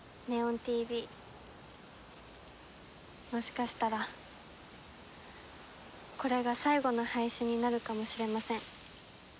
「祢音ＴＶ」もしかしたらこれが最後の配信になるかもしれません。